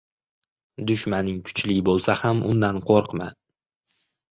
dushmaning kuchli bo‘lsa ham undan qo‘rqma.